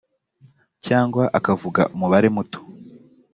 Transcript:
cyangwa akavuga umubare muto